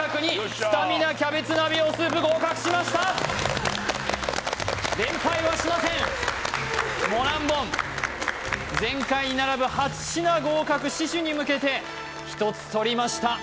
スタミナきゃべつ鍋用スープ合格しました連敗はしませんモランボン前回に並ぶ８品合格死守に向けて１つとりました